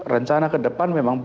rencana ke depan memang